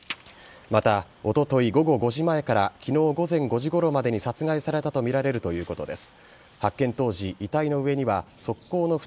またおととい午後５時前から昨日午前５時ごろまでに殺害されたとみられるということです。